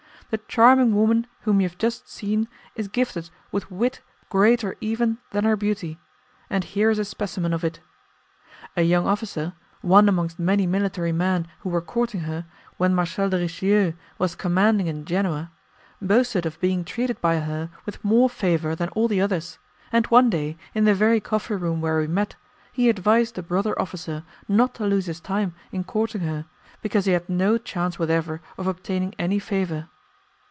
The charming woman whom you have just seen is gifted with wit greater even than her beauty, and here is a specimen of it. A young officer, one amongst many military men who were courting her, when Marshal de Richelieu was commanding in Genoa, boasted of being treated by her with more favour than all the others, and one day, in the very coffee room where we met, he advised a brother officer not to lose his time in courting her, because he had no chance whatever of obtaining any favour.